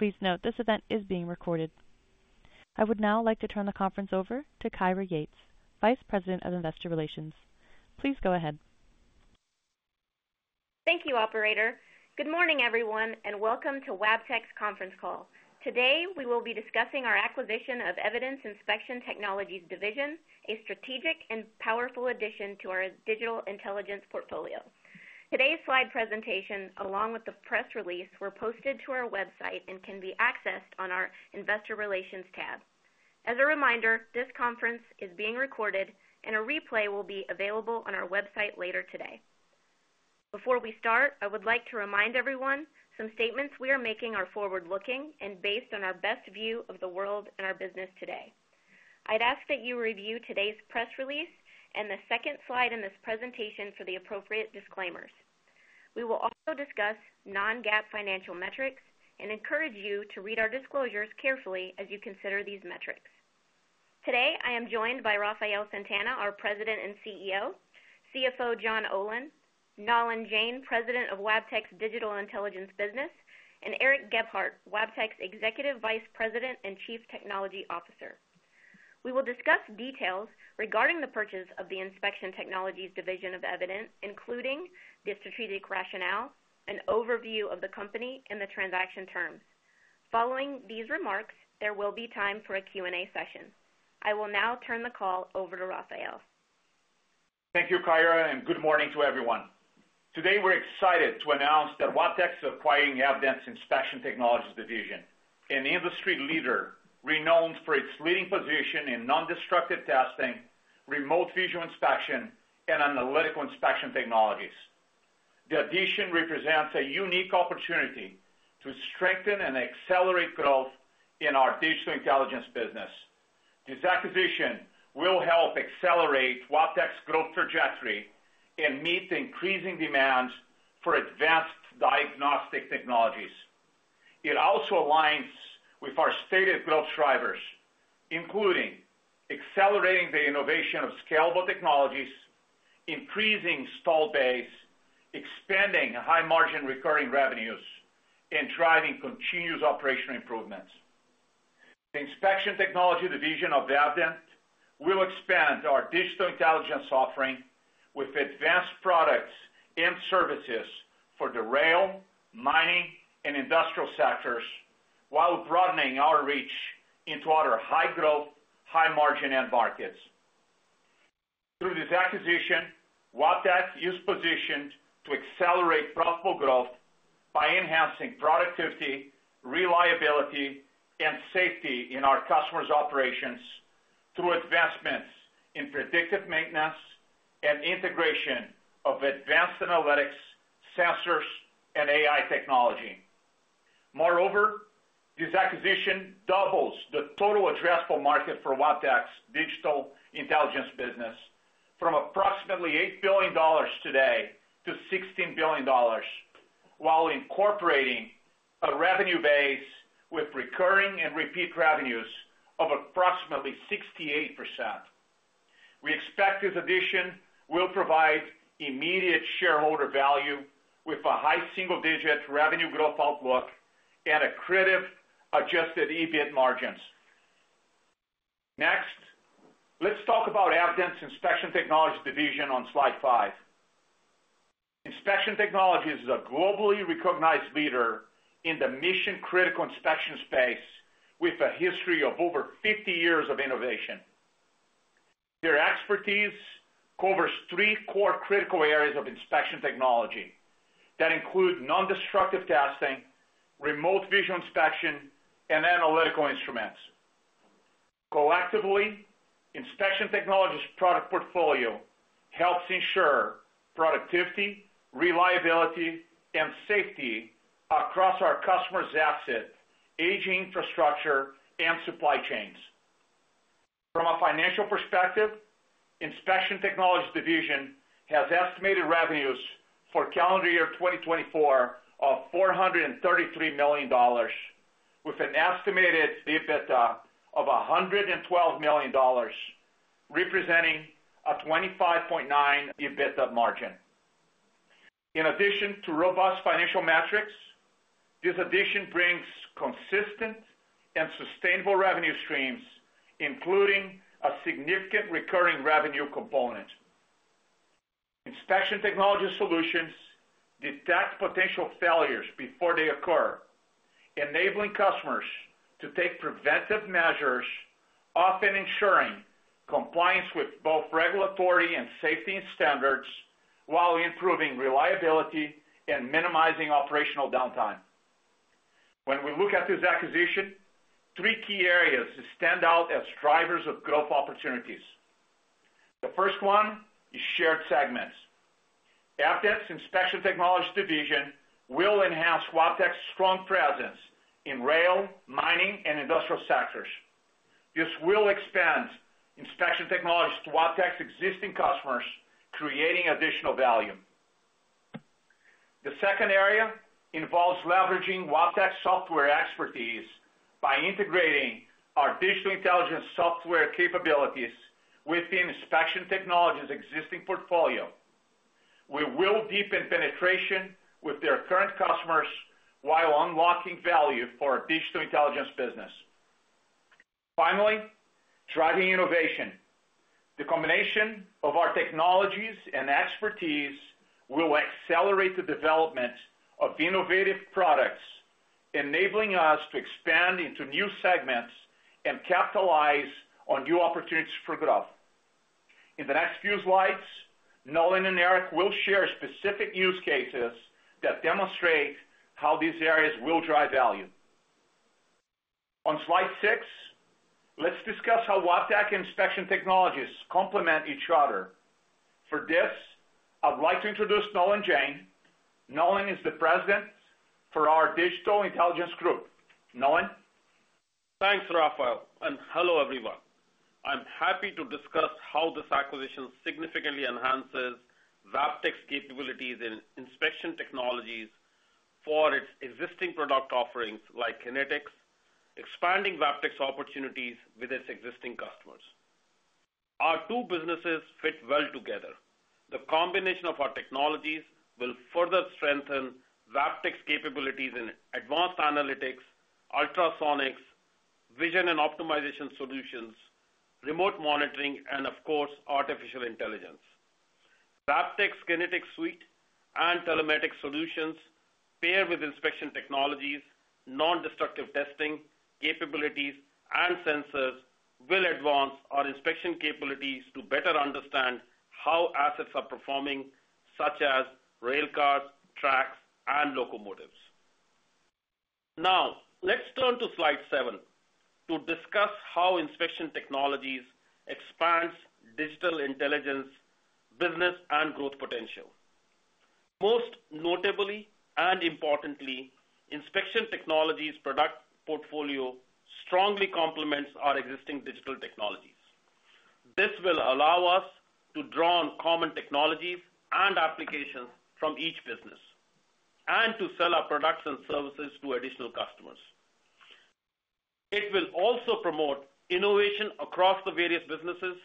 Please note this event is being recorded. I would now like to turn the conference over to Kyra Yates, Vice President of Investor Relations. Please go ahead. Thank you, Operator. Good morning, everyone, and welcome to Wabtec's conference call. Today we will be discussing our acquisition of Evident's Inspection Technologies Division, a strategic and powerful addition to our Digital Intelligence portfolio. Today's slide presentation, along with the press release, were posted to our website and can be accessed on our Investor Relations tab. As a reminder, this conference is being recorded, and a replay will be available on our website later today. Before we start, I would like to remind everyone some statements we are making are forward-looking and based on our best view of the world and our business today. I'd ask that you review today's press release and the second slide in this presentation for the appropriate disclaimers. We will also discuss non-GAAP financial metrics and encourage you to read our disclosures carefully as you consider these metrics. Today I am joined by Rafael Santana, our President and CEO, CFO John Olin, Nalin Jain, President of Wabtec's Digital Intelligence Business, and Eric Gebhardt, Wabtec's Executive Vice President and Chief Technology Officer. We will discuss details regarding the purchase of the Inspection Technologies Division of Evident, including the strategic rationale and overview of the company and the transaction terms. Following these remarks, there will be time for a Q&A session. I will now turn the call over to Rafael. Thank you, Kyra, and good morning to everyone. Today we're excited to announce that Wabtec is acquiring Evident Inspection Technologies Division, an industry leader renowned for its leading position in non-destructive testing, remote visual inspection, and analytical inspection technologies. The addition represents a unique opportunity to strengthen and accelerate growth in our digital intelligence business. This acquisition will help accelerate Wabtec's growth trajectory and meet the increasing demand for advanced diagnostic technologies. It also aligns with our stated growth drivers, including accelerating the innovation of scalable technologies, increasing installed base, expanding high-margin recurring revenues, and driving continuous operational improvements. The Inspection Technology Division of Evident will expand our digital intelligence offering with advanced products and services for the rail, mining, and industrial sectors while broadening our reach into other high-growth, high-margin end markets. Through this acquisition, Wabtec is positioned to accelerate profitable growth by enhancing productivity, reliability, and safety in our customers' operations through advancements in predictive maintenance and integration of advanced analytics, sensors, and AI technology. Moreover, this acquisition doubles the total addressable market for Wabtec's Digital Intelligence business from approximately $8 billion today to $16 billion, while incorporating a revenue base with recurring and repeat revenues of approximately 68%. We expect this addition will provide immediate shareholder value with a high single-digit revenue growth outlook and accretive adjusted EBIT margins. Next, let's talk about Evident Inspection Technologies Division on slide five. Inspection Technologies is a globally recognized leader in the mission-critical inspection space with a history of over 50 years of innovation. Their expertise covers three core critical areas of inspection technology that include non-destructive testing, remote visual inspection, and analytical instruments. Collectively, Inspection Technologies' product portfolio helps ensure productivity, reliability, and safety across our customers' assets, aging infrastructure, and supply chains. From a financial perspective, Inspection Technologies Division has estimated revenues for calendar year 2024 of $433 million, with an estimated EBITDA of $112 million, representing a 25.9% EBITDA margin. In addition to robust financial metrics, this addition brings consistent and sustainable revenue streams, including a significant recurring revenue component. Inspection Technologies solutions detect potential failures before they occur, enabling customers to take preventive measures, often ensuring compliance with both regulatory and safety standards, while improving reliability and minimizing operational downtime. When we look at this acquisition, three key areas stand out as drivers of growth opportunities. The first one is shared segments. Wabtec's Inspection Technologies Division will enhance Wabtec's strong presence in rail, mining, and industrial sectors. This will expand Inspection Technologies to Wabtec's existing customers, creating additional value. The second area involves leveraging Wabtec's software expertise by integrating our digital intelligence software capabilities within Inspection Technologies' existing portfolio. We will deepen penetration with their current customers while unlocking value for our digital intelligence business. Finally, driving innovation. The combination of our technologies and expertise will accelerate the development of innovative products, enabling us to expand into new segments and capitalize on new opportunities for growth. In the next few slides, Nalin Jain and Eric will share specific use cases that demonstrate how these areas will drive value. On slide six, let's discuss how Wabtec and Inspection Technologies complement each other. For this, I'd like to introduce Nalin Jain. Nalin is the President for our Digital Intelligence Group. Nalin. Thanks, Rafael. And hello, everyone. I'm happy to discuss how this acquisition significantly enhances Wabtec's capabilities in Inspection Technologies for its existing product offerings like Kinetics, expanding Wabtec's opportunities with its existing customers. Our two businesses fit well together. The combination of our technologies will further strengthen Wabtec's capabilities in advanced analytics, ultrasonics, vision and optimization solutions, remote monitoring, and, of course, artificial intelligence. Wabtec's Kinetics suite and telematics solutions, paired with Inspection Technologies' non-destructive testing capabilities, and sensors, will advance our inspection capabilities to better understand how assets are performing, such as railcars, tracks, and locomotives. Now, let's turn to slide seven to discuss how Inspection Technologies expands Digital Intelligence business and growth potential. Most notably and importantly, Inspection Technologies' product portfolio strongly complements our existing digital technologies. This will allow us to draw on common technologies and applications from each business and to sell our products and services to additional customers. It will also promote innovation across the various businesses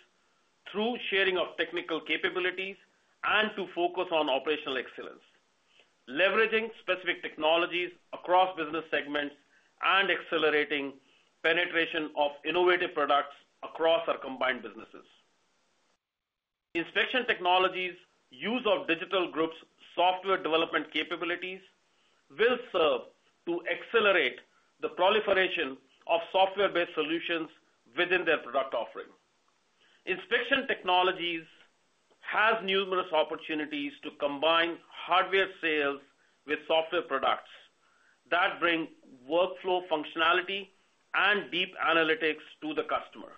through sharing of technical capabilities and to focus on operational excellence, leveraging specific technologies across business segments and accelerating penetration of innovative products across our combined businesses. Inspection Technologies' use of Digital Intelligence's software development capabilities will serve to accelerate the proliferation of software-based solutions within their product offering. Inspection Technologies has numerous opportunities to combine hardware sales with software products that bring workflow functionality and deep analytics to the customer.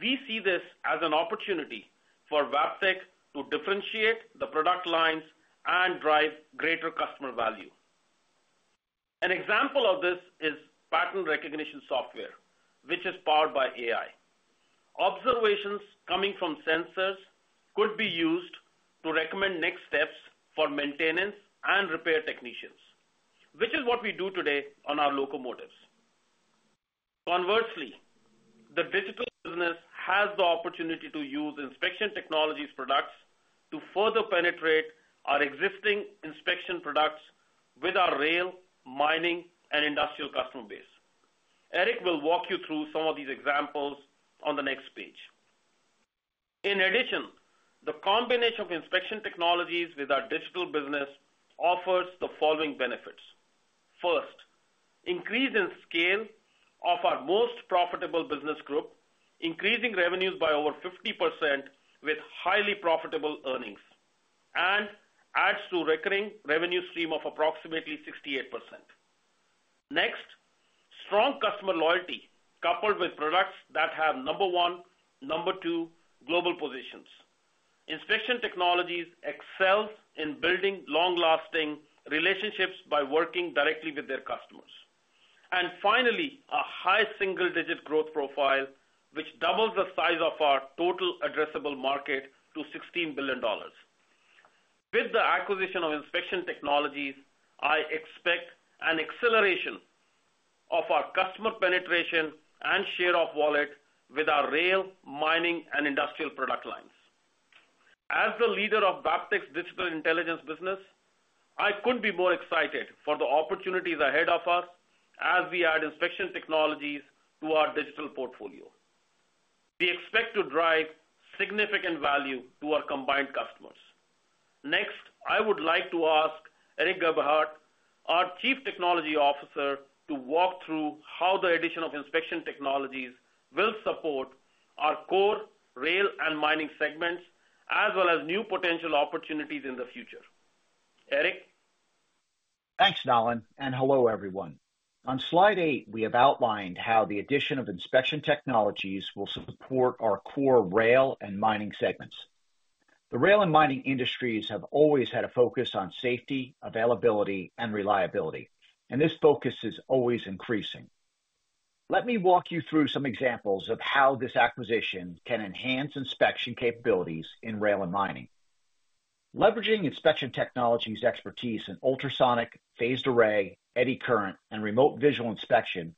We see this as an opportunity for abtec to differentiate the product lines and drive greater customer value. An example of this is pattern recognition software, which is powered by AI. Observations coming from sensors could be used to recommend next steps for maintenance and repair technicians, which is what we do today on our locomotives. Conversely, the digital business has the opportunity to use Inspection Technologies' products to further penetrate our existing inspection products with our rail, mining, and industrial customer base. Eric will walk you through some of these examples on the next page. In addition, the combination of Inspection Technologies with our digital business offers the following benefits. First, increase in scale of our most profitable business group, increasing revenues by over 50% with highly profitable earnings and adds to a recurring revenue stream of approximately 68%. Next, strong customer loyalty coupled with products that have number one, number two global positions. Inspection Technologies excels in building long-lasting relationships by working directly with their customers. Finally, a high single-digit growth profile, which doubles the size of our total addressable market to $16 billion. With the acquisition of Inspection Technologies, I expect an acceleration of our customer penetration and share of wallet with our rail, mining, and industrial product lines. As the leader of Wabtec's Digital Intelligence business, I couldn't be more excited for the opportunities ahead of us as we add Inspection Technologies to our digital portfolio. We expect to drive significant value to our combined customers. Next, I would like to ask Eric Gebhardt, our Chief Technology Officer, to walk through how the addition of Inspection Technologies will support our core rail and mining segments, as well as new potential opportunities in the future. Eric? Thanks, Nalin, and hello, everyone. On slide eight, we have outlined how the addition of Inspection Technologies will support our core rail and mining segments. The rail and mining industries have always had a focus on safety, availability, and reliability, and this focus is always increasing. Let me walk you through some examples of how this acquisition can enhance inspection capabilities in rail and mining. Leveraging Inspection Technologies' expertise in ultrasonic, phased array, eddy current, and remote visual inspection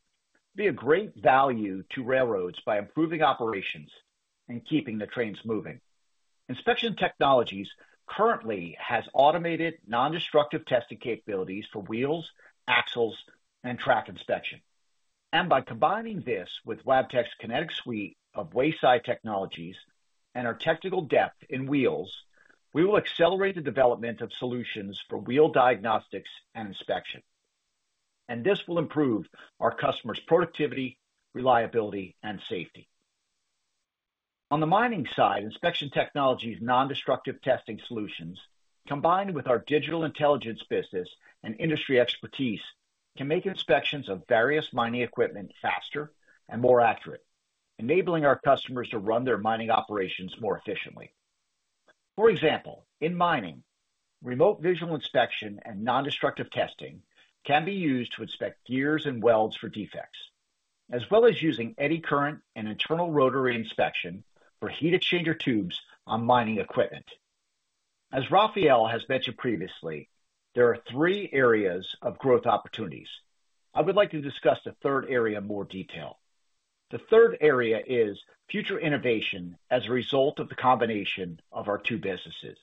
will be of great value to railroads by improving operations and keeping the trains moving. Inspection Technologies currently has automated non-destructive testing capabilities for wheels, axles, and track inspection, and by combining this with Wabtec's Kinetics suite of wayside technologies and our technical depth in wheels, we will accelerate the development of solutions for wheel diagnostics and inspection, and this will improve our customers' productivity, reliability, and safety. On the mining side, Inspection Technologies' non-destructive testing solutions, combined with our digital intelligence business and industry expertise, can make inspections of various mining equipment faster and more accurate, enabling our customers to run their mining operations more efficiently. For example, in mining, remote visual inspection and non-destructive testing can be used to inspect gears and welds for defects, as well as using eddy current and internal rotary inspection for heat exchanger tubes on mining equipment. As Rafael has mentioned previously, there are three areas of growth opportunities. I would like to discuss the third area in more detail. The third area is future innovation as a result of the combination of our two businesses.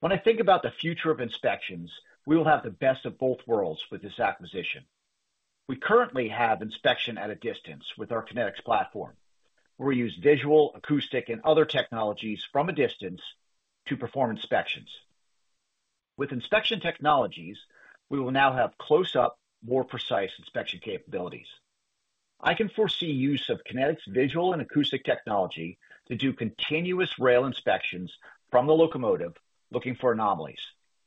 When I think about the future of inspections, we will have the best of both worlds with this acquisition. We currently have inspection at a distance with our Kinetics platform, where we use visual, acoustic, and other technologies from a distance to perform inspections. With Inspection Technologies, we will now have close-up, more precise inspection capabilities. I can foresee use of Kinetics' visual and acoustic technology to do continuous rail inspections from the locomotive looking for anomalies,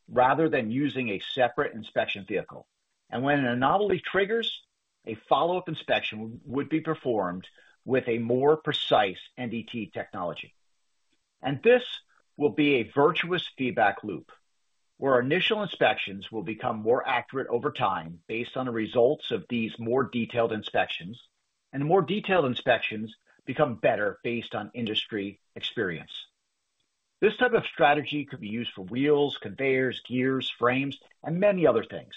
rather than using a separate inspection vehicle, and when an anomaly triggers, a follow-up inspection would be performed with a more precise NDT technology. And this will be a virtuous feedback loop, where initial inspections will become more accurate over time based on the results of these more detailed inspections, and the more detailed inspections become better based on industry experience. This type of strategy could be used for wheels, conveyors, gears, frames, and many other things.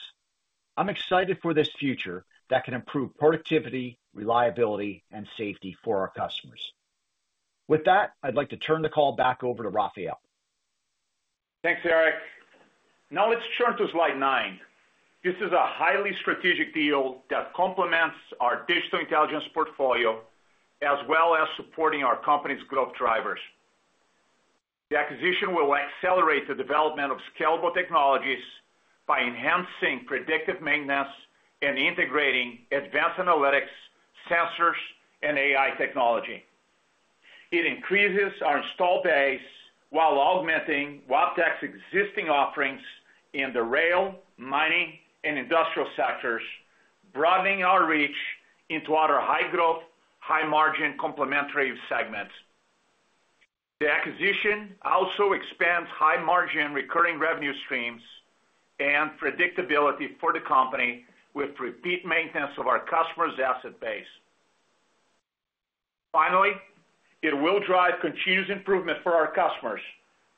I'm excited for this future that can improve productivity, reliability, and safety for our customers. With that, I'd like to turn the call back over to Rafael. Thanks, Eric. Now, let's turn to slide nine. This is a highly strategic deal that complements our Digital Intelligence portfolio, as well as supporting our company's growth drivers. The acquisition will accelerate the development of scalable technologies by enhancing predictive maintenance and integrating advanced analytics, sensors, and AI technology. It increases our install base while augmenting Wabtec's existing offerings in the rail, mining, and industrial sectors, broadening our reach into other high-growth, high-margin complementary segments. The acquisition also expands high-margin recurring revenue streams and predictability for the company with repeat maintenance of our customers' asset base. Finally, it will drive continuous improvement for our customers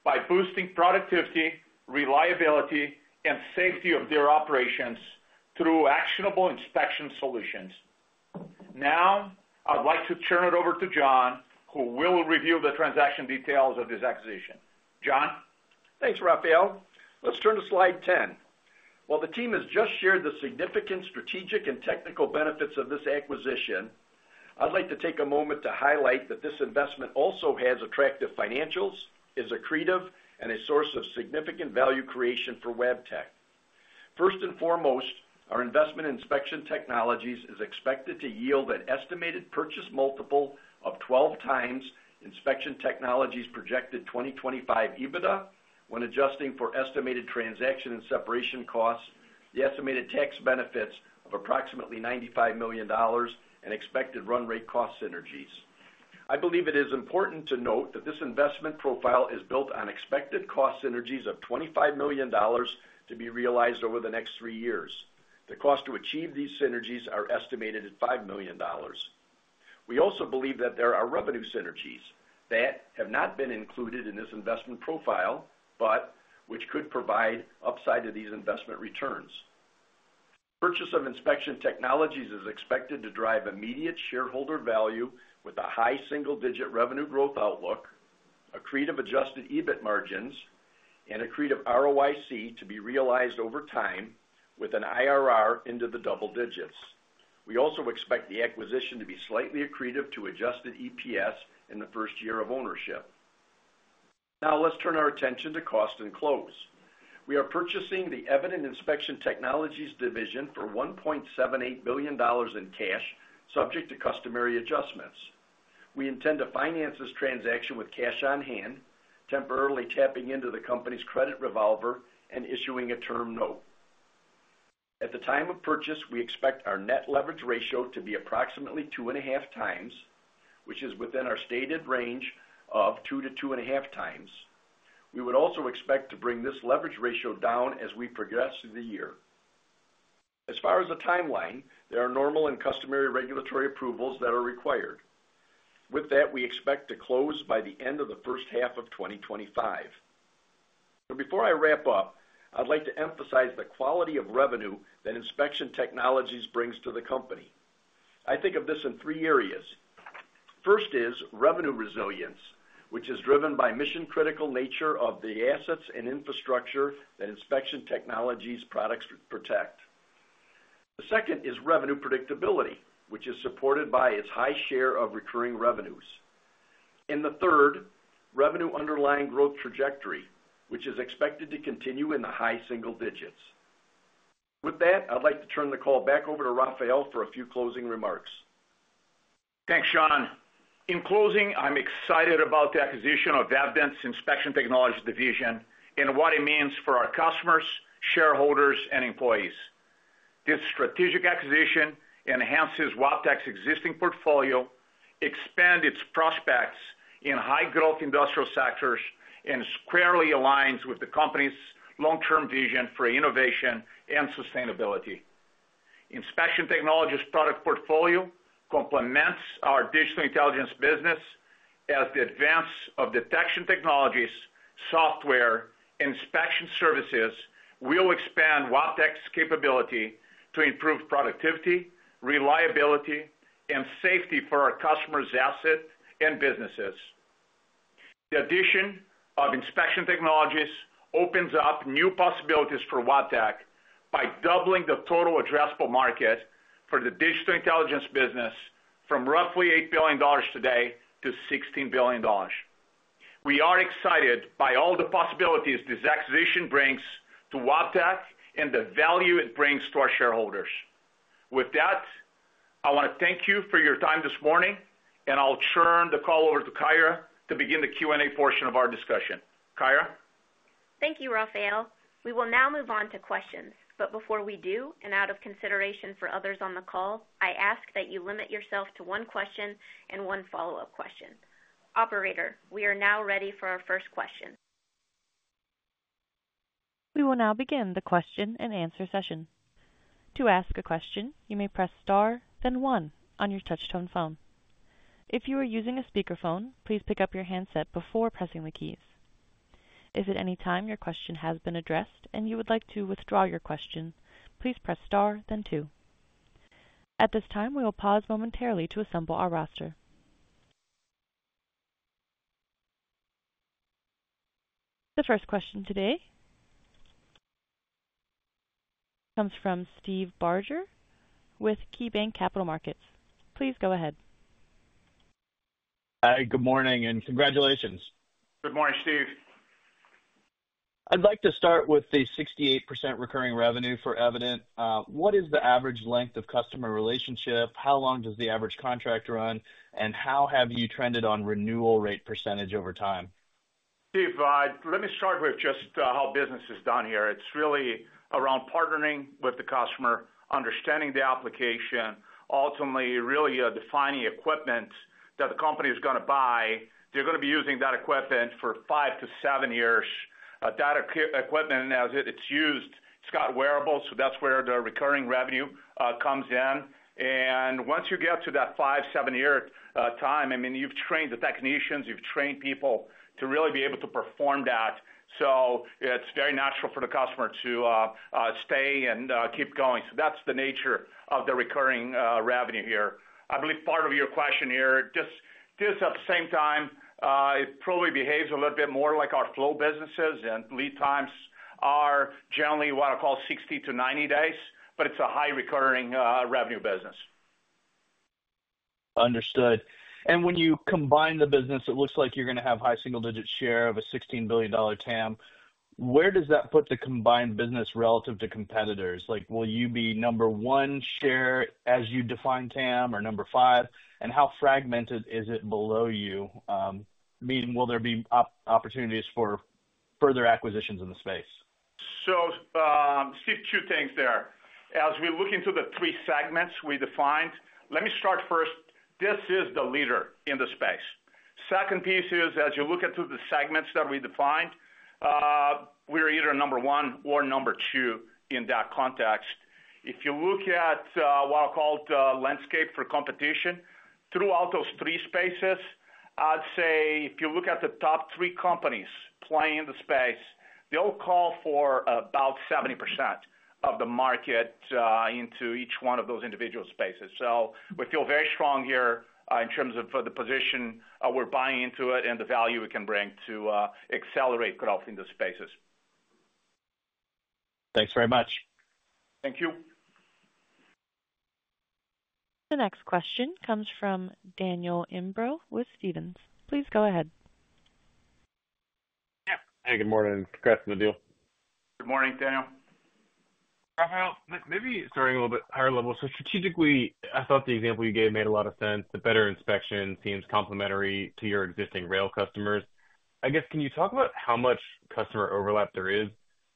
by boosting productivity, reliability, and safety of their operations through actionable inspection solutions. Now, I'd like to turn it over to John, who will review the transaction details of this acquisition. John? Thanks, Rafael. Let's turn to slide 10. While the team has just shared the significant strategic and technical benefits of this acquisition, I'd like to take a moment to highlight that this investment also has attractive financials, is accretive, and a source of significant value creation for Wabtec. First and foremost, our investment in Inspection Technologies is expected to yield an estimated purchase multiple of 12 times Inspection Technologies' projected 2025 EBITDA when adjusting for estimated transaction and separation costs, the estimated tax benefits of approximately $95 million and expected run rate cost synergies. I believe it is important to note that this investment profile is built on expected cost synergies of $25 million to be realized over the next three years. The cost to achieve these synergies is estimated at $5 million. We also believe that there are revenue synergies that have not been included in this investment profile, but which could provide upside to these investment returns. Purchase of Inspection Technologies is expected to drive immediate shareholder value with a high single-digit revenue growth outlook, accretive adjusted EBIT margins, and accretive ROIC to be realized over time with an IRR into the double digits. We also expect the acquisition to be slightly accretive to adjusted EPS in the first year of ownership. Now, let's turn our attention to cost and close. We are purchasing the Evident Inspection Technologies division for $1.78 billion in cash, subject to customary adjustments. We intend to finance this transaction with cash on hand, temporarily tapping into the company's credit revolver and issuing a term note. At the time of purchase, we expect our net leverage ratio to be approximately two and a half times, which is within our stated range of two to two and a half times. We would also expect to bring this leverage ratio down as we progress through the year. As far as the timeline, there are normal and customary regulatory approvals that are required. With that, we expect to close by the end of the first half of 2025. So before I wrap up, I'd like to emphasize the quality of revenue that Inspection Technologies brings to the company. I think of this in three areas. First is revenue resilience, which is driven by the mission-critical nature of the assets and infrastructure that Inspection Technologies' products protect. The second is revenue predictability, which is supported by its high share of recurring revenues. The third, revenue underlying growth trajectory, which is expected to continue in the high single digits. With that, I'd like to turn the call back over to Rafael for a few closing remarks. Thanks, John. In closing, I'm excited about the acquisition of Wabtec's Inspection Technologies division and what it means for our customers, shareholders, and employees. This strategic acquisition enhances Wabtec's existing portfolio, expands its prospects in high-growth industrial sectors, and squarely aligns with the company's long-term vision for innovation and sustainability. Inspection Technologies' product portfolio complements our Digital Intelligence business as the advance of detection technologies, software, and inspection services will expand Wabtec's capability to improve productivity, reliability, and safety for our customers' assets and businesses. The addition of Inspection Technologies opens up new possibilities for Wabtec by doubling the total addressable market for the Digital Intelligence business from roughly $8 billion today to $16 billion. We are excited by all the possibilities this acquisition brings to Wabtec and the value it brings to our shareholders. With that, I want to thank you for your time this morning, and I'll turn the call over to Kyra to begin the Q&A portion of our discussion. Kyra? Thank you, Rafael. We will now move on to questions. But before we do, and out of consideration for others on the call, I ask that you limit yourself to one question and one follow-up question. Operator, we are now ready for our first question. We will now begin the question and answer session. To ask a question, you may press star, then one on your touch-tone phone. If you are using a speakerphone, please pick up your handset before pressing the keys. If at any time your question has been addressed and you would like to withdraw your question, please press star, then two. At this time, we will pause momentarily to assemble our roster. The first question today comes from Steve Barger with KeyBank Capital Markets. Please go ahead. Hi. Good morning and congratulations. Good morning, Steve. I'd like to start with the 68% recurring revenue for Evident. What is the average length of customer relationship? How long does the average contract run? And how have you trended on renewal rate percentage over time? Steve, let me start with just how business is done here. It's really around partnering with the customer, understanding the application, ultimately really defining equipment that the company is going to buy. They're going to be using that equipment for five to seven years. That equipment, as it's used, it's got wearables, so that's where the recurring revenue comes in. And once you get to that five, seven-year time, I mean, you've trained the technicians, you've trained people to really be able to perform that. So it's very natural for the customer to stay and keep going. So that's the nature of the recurring revenue here. I believe part of your question here, just at the same time, it probably behaves a little bit more like our flow businesses, and lead times are generally what I call 60-90 days, but it's a high recurring revenue business. Understood. And when you combine the business, it looks like you're going to have a high single-digit share of a $16 billion TAM. Where does that put the combined business relative to competitors? Will you be number one share as you define TAM or number five? And how fragmented is it below you? Meaning, will there be opportunities for further acquisitions in the space? I see two things there. As we look into the three segments we defined, let me start first. This is the leader in the space. Second piece is, as you look at the segments that we defined, we're either number one or number two in that context. If you look at what I call the landscape for competition throughout those three spaces, I'd say if you look at the top three companies playing in the space, they'll call for about 70% of the market into each one of those individual spaces. We feel very strong here in terms of the position we're buying into it and the value we can bring to accelerate growth in those spaces. Thanks very much. Thank you. The next question comes from Daniel Imbro with Stephens. Please go ahead. Hi. Good morning. Progressing the deal. Good morning, Daniel. Rafael, maybe starting a little bit higher level. So strategically, I thought the example you gave made a lot of sense. The Evident inspection seems complementary to your existing rail customers. I guess, can you talk about how much customer overlap there is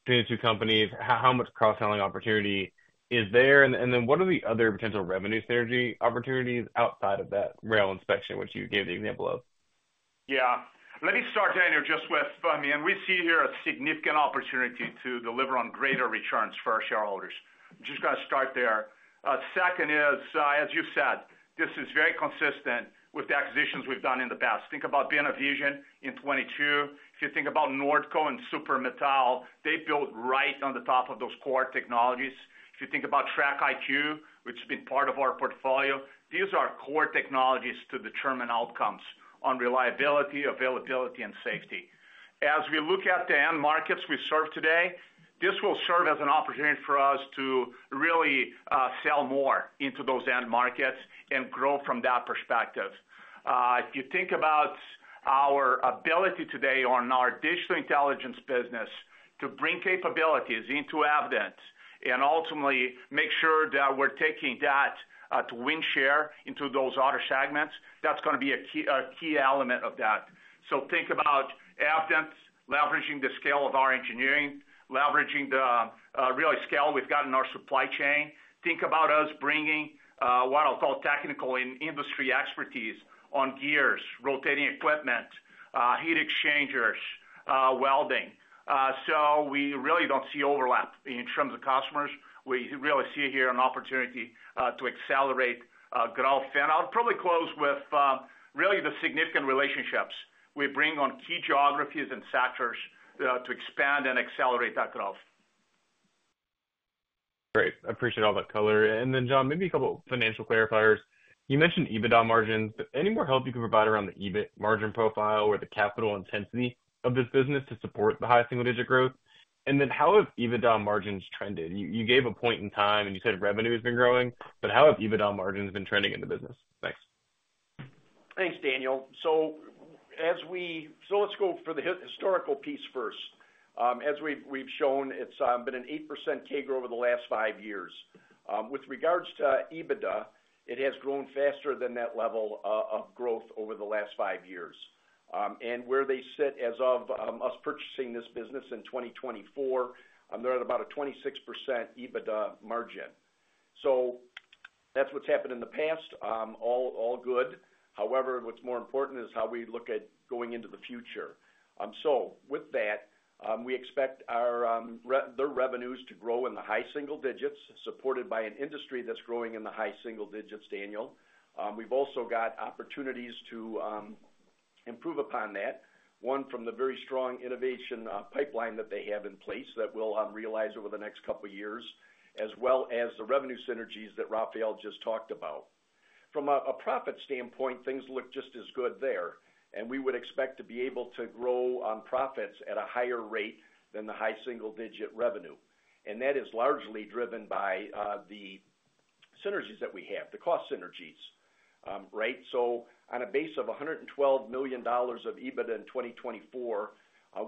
between the two companies? How much cross-selling opportunity is there? And then what are the other potential revenue synergy opportunities outside of that rail inspection, which you gave the example of? Yeah. Let me start, Daniel, just with, I mean, we see here a significant opportunity to deliver on greater returns for our shareholders. I'm just going to start there. Second is, as you said, this is very consistent with the acquisitions we've done in the past. Think about Beena Vision in 2022. If you think about Nordco and Super Metal, they built right on the top of those core technologies. If you think about Track IQ, which has been part of our portfolio, these are core technologies to determine outcomes on reliability, availability, and safety. As we look at the end markets we serve today, this will serve as an opportunity for us to really sell more into those end markets and grow from that perspective. If you think about our ability today on our Digital Intelligence business to bring capabilities into Evident and ultimately make sure that we're taking that to win share into those other segments, that's going to be a key element of that. So think about Evident leveraging the scale of our engineering, leveraging the real scale we've got in our supply chain. Think about us bringing what I'll call technical and industry expertise on gears, rotating equipment, heat exchangers, welding. So we really don't see overlap in terms of customers. We really see here an opportunity to accelerate growth. And I'll probably close with really the significant relationships we bring on key geographies and sectors to expand and accelerate that growth. Great. I appreciate all that color. And then, John, maybe a couple of financial clarifiers. You mentioned EBITDA margins. Any more help you can provide around the EBIT margin profile or the capital intensity of this business to support the high single-digit growth? And then how have EBITDA margins trended? You gave a point in time, and you said revenue has been growing, but how have EBITDA margins been trending in the business? Thanks. Thanks, Daniel. So let's go for the historical piece first. As we've shown, it's been an 8% CAGR over the last five years. With regards to EBITDA, it has grown faster than that level of growth over the last five years. And where they sit as of us purchasing this business in 2024, they're at about a 26% EBITDA margin. So that's what's happened in the past. All good. However, what's more important is how we look at going into the future. So with that, we expect their revenues to grow in the high single digits, supported by an industry that's growing in the high single digits, Daniel. We've also got opportunities to improve upon that, one from the very strong innovation pipeline that they have in place that we'll realize over the next couple of years, as well as the revenue synergies that Rafael just talked about. From a profit standpoint, things look just as good there. And we would expect to be able to grow on profits at a higher rate than the high single-digit revenue. And that is largely driven by the synergies that we have, the cost synergies. Right? So on a base of $112 million of EBITDA in 2024,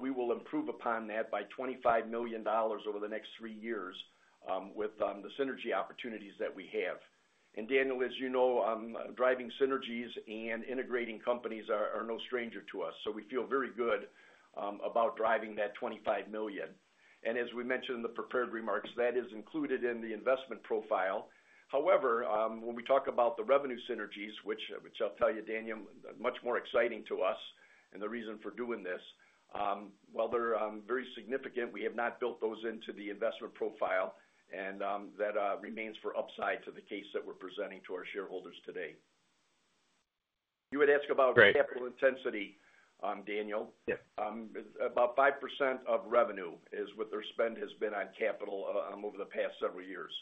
we will improve upon that by $25 million over the next three years with the synergy opportunities that we have. And Daniel, as you know, driving synergies and integrating companies are no stranger to us. So we feel very good about driving that $25 million. And as we mentioned in the prepared remarks, that is included in the investment profile. However, when we talk about the revenue synergies, which I'll tell you, Daniel, are much more exciting to us and the reason for doing this, while they're very significant, we have not built those into the investment profile. And that remains for upside to the case that we're presenting to our shareholders today. You had asked about capital intensity, Daniel. Yes. About 5% of revenue is what their spend has been on capital over the past several years.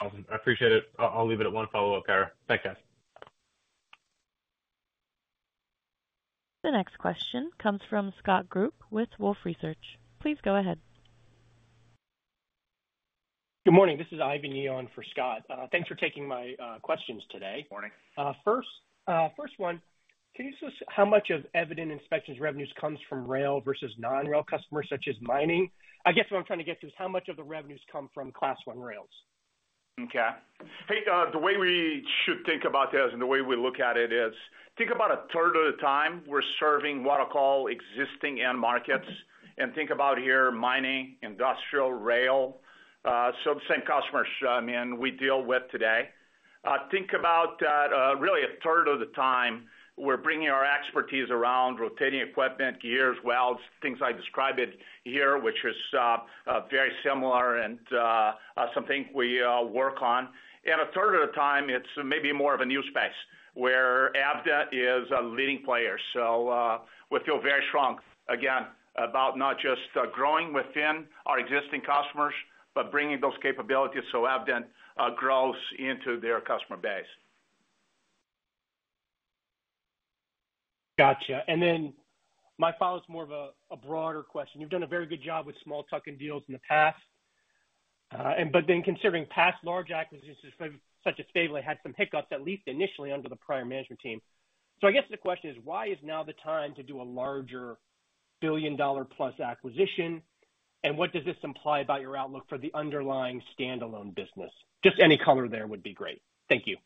Awesome. I appreciate it. I'll leave it at one follow-up, Kyra. Thanks, guys. The next question comes from Scott Group with Wolfe Research. Please go ahead. Good morning. This is Ivan Yeo for Scott. Thanks for taking my questions today. Morning. First one, can you tell us how much of Evident Inspection's revenues comes from rail versus non-rail customers, such as mining? I guess what I'm trying to get to is how much of the revenues come from class one rails. Okay. The way we should think about this and the way we look at it is think about a third of the time we're serving what I'll call existing end markets. And think about here mining, industrial, rail, subset customers, I mean, we deal with today. Think about really a third of the time we're bringing our expertise around rotating equipment, gears, welds, things I described it here, which is very similar and something we work on. And a third of the time, it's maybe more of a new space where Evident is a leading player. So we feel very strong, again, about not just growing within our existing customers, but bringing those capabilities so Evident grows into their customer base. Gotcha. And then my follow-up is more of a broader question. You've done a very good job with small tuck-in deals in the past. But then considering past large acquisitions such as Faiveley had some hiccups, at least initially under the prior management team. So I guess the question is, why is now the time to do a larger billion-plus acquisition? And what does this imply about your outlook for the underlying standalone business? Just any color there would be great. Thank you.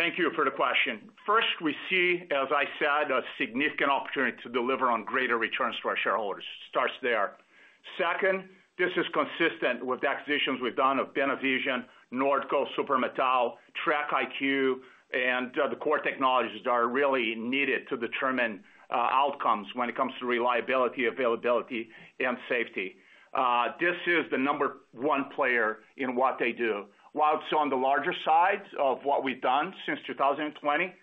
Thank you for the question. First, we see, as I said, a significant opportunity to deliver on greater returns to our shareholders. Starts there. Second, this is consistent with acquisitions we've done of Beena Vision, Nordco, Super Metal, Track IQ, and the core technologies that are really needed to determine outcomes when it comes to reliability, availability, and safety. This is the number one player in what they do. While it's on the larger side of what we've done since 2020,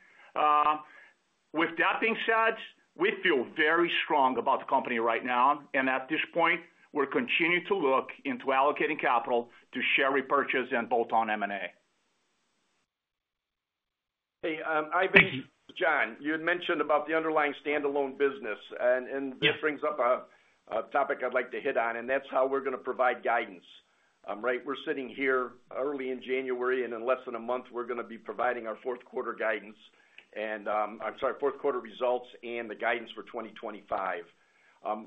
with that being said, we feel very strong about the company right now. And at this point, we're continuing to look into allocating capital to share repurchase and bolt-on M&A. Hey, Ivan, John, you had mentioned about the underlying standalone business. And this brings up a topic I'd like to hit on. And that's how we're going to provide guidance. Right? We're sitting here early in January. And in less than a month, we're going to be providing our fourth quarter guidance and, I'm sorry, fourth quarter results and the guidance for 2025.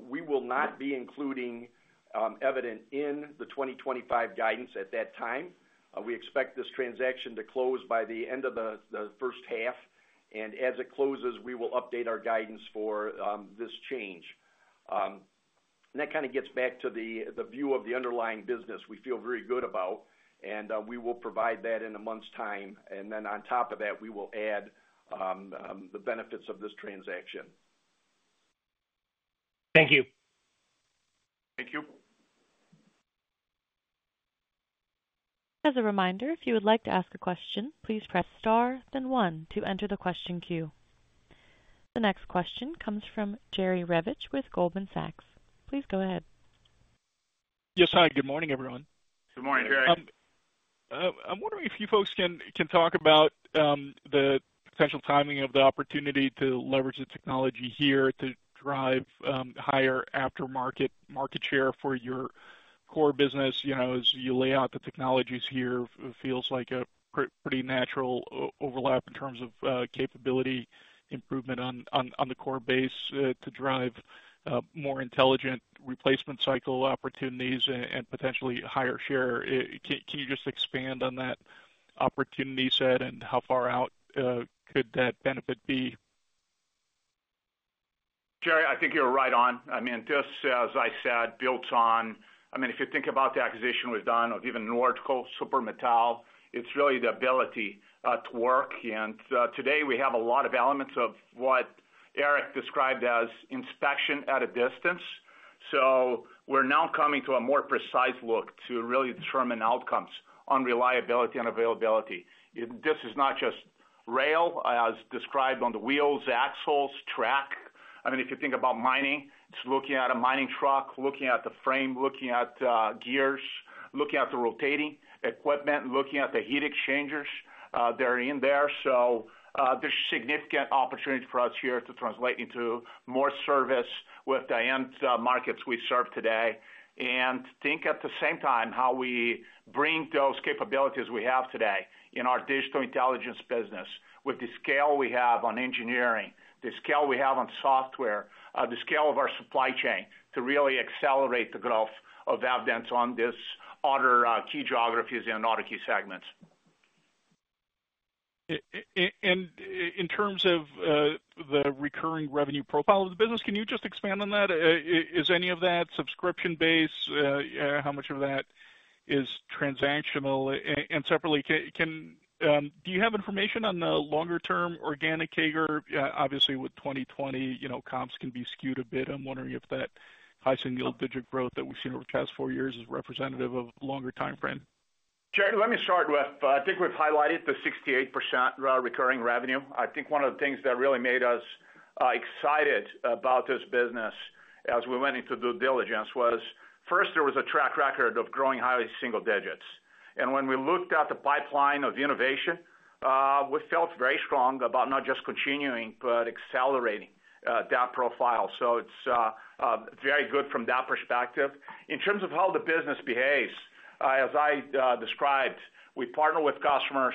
We will not be including Evident in the 2025 guidance at that time. We expect this transaction to close by the end of the first half. And as it closes, we will update our guidance for this change. And that kind of gets back to the view of the underlying business we feel very good about. And we will provide that in a month's time. And then on top of that, we will add the benefits of this transaction. Thank you. Thank you. As a reminder, if you would like to ask a question, please press star, then one to enter the question queue. The next question comes from Jerry Revich with Goldman Sachs. Please go ahead. Yes, hi. Good morning, everyone. Good morning, Jerry. I'm wondering if you folks can talk about the potential timing of the opportunity to leverage the technology here to drive higher aftermarket market share for your core business as you lay out the technologies here. It feels like a pretty natural overlap in terms of capability improvement on the core base to drive more intelligent replacement cycle opportunities and potentially higher share. Can you just expand on that opportunity set and how far out could that benefit be? Jerry, I think you're right on. I mean, just as I said, built on, I mean, if you think about the acquisition we've done of even Nordco, Super Metal, it's really the ability to work. And today, we have a lot of elements of what Eric described as inspection at a distance. So we're now coming to a more precise look to really determine outcomes on reliability and availability. This is not just rail, as described on the wheels, axles, track. I mean, if you think about mining, it's looking at a mining truck, looking at the frame, looking at gears, looking at the rotating equipment, looking at the heat exchangers that are in there. So there's significant opportunity for us here to translate into more service with the end markets we serve today. Think at the same time how we bring those capabilities we have today in our digital intelligence business with the scale we have on engineering, the scale we have on software, the scale of our supply chain to really accelerate the growth of Evident on these other key geographies and other key segments. In terms of the recurring revenue profile of the business, can you just expand on that? Is any of that subscription-based? How much of that is transactional? And separately, do you have information on the longer-term organic CAGR? Obviously, with 2020, comps can be skewed a bit. I'm wondering if that high single-digit growth that we've seen over the past four years is representative of a longer time frame. Jerry, let me start with. I think we've highlighted the 68% recurring revenue. I think one of the things that really made us excited about this business as we went into due diligence was first there was a track record of growing highly single digits, and when we looked at the pipeline of innovation, we felt very strong about not just continuing, but accelerating that profile. So it's very good from that perspective. In terms of how the business behaves, as I described, we partner with customers.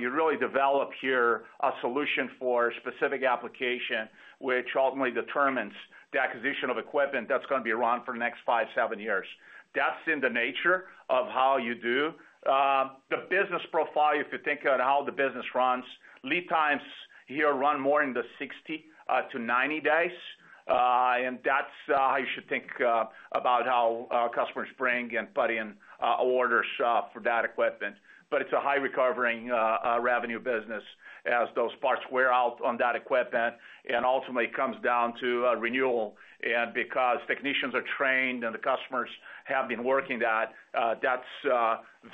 You really develop here a solution for a specific application, which ultimately determines the acquisition of equipment that's going to be run for the next 5-7 years. That's in the nature of how you do the business profile. If you think on how the business runs, lead times here run more in the 60-90 days. That's how you should think about how customers bring and put in orders for that equipment. It's a high-recovering revenue business as those parts wear out on that equipment. Ultimately, it comes down to renewal. Because technicians are trained and the customers have been working that, that's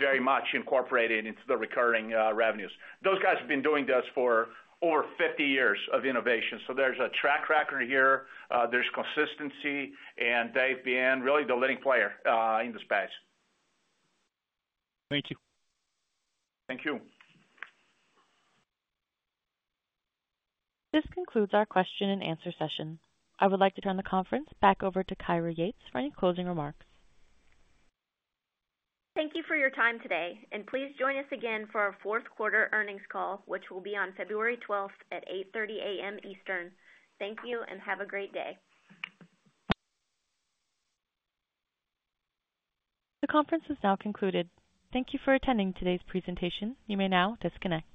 very much incorporated into the recurring revenues. Those guys have been doing this for over 50 years of innovation. There's a track record here. There's consistency. They've been really the leading player in the space. Thank you. Thank you. This concludes our question and answer session. I would like to turn the conference back over to Kyra Yates for any closing remarks. Thank you for your time today. Please join us again for our fourth quarter earnings call, which will be on February 12th at 8:30 A.M. Eastern. Thank you and have a great day. The conference is now concluded. Thank you for attending today's presentation. You may now disconnect.